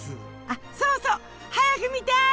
あそうそう早く見たい！